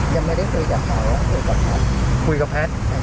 ยังไม่ได้คุยกับเขาคุยกับแพทย์